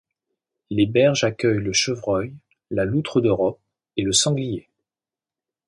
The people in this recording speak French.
Les berges accueillent le Chevreuil, la Loutre d'Europe et le Sanglier.